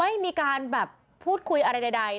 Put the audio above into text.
ไม่มีการแบบพูดคุยอะไรใด